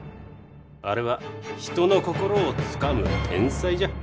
あれは人の心をつかむ天才じゃ。